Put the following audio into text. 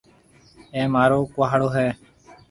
اَي مهارو ڪُهاڙو هيَ۔